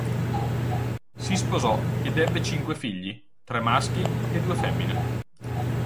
Si sposò ed ebbe cinque figli, tre maschi e due femmine.